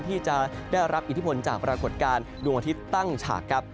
ก็อย่างที่จะได้รับอิทธิพลจากปรากฏการณ์ตั้งฉาก